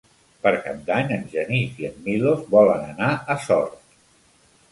Per Cap d'Any en Genís i en Milos volen anar a Sort.